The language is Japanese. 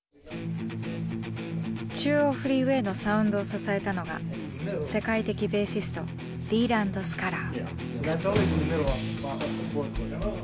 「中央フリーウェイ」のサウンドを支えたのが世界的ベーシストリーランド・スカラー。